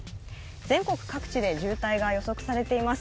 全国各地で渋滞が予測されています。